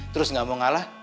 terus gak mau ngalah